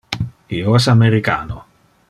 Io es americano.